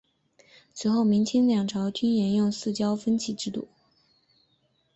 此后明清两朝均沿用四郊分祀制度。